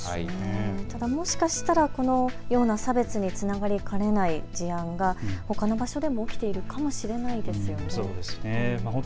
ただもしかしたら、このような差別につながりかねない事案がほかの場所でも起きているかもしれないですよね。